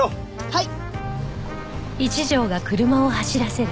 はい！